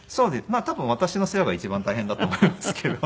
多分私の世話が一番大変だと思いますけど。